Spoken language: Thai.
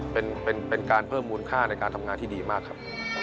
เป็นการเพิ่มมูลค่าในการทำงานที่ดีมากครับ